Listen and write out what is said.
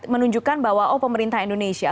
menunjukkan bahwa pemerintah indonesia